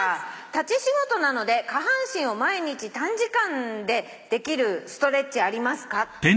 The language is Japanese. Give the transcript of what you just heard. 「立ち仕事なので下半身を毎日短時間でできるストレッチありますか？」